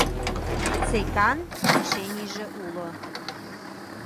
ЦеКа-н решенийже уло.